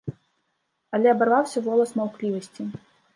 Але абарваўся волас маўклівасці.